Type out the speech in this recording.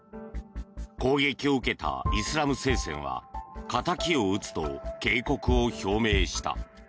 攻撃を受けたイスラム聖戦は敵を討つと警告を表明した。